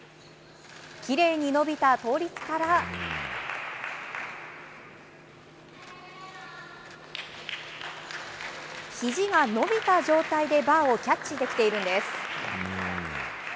きれいに伸びた倒立からひじが伸びた状態でバーをキャッチできているんです。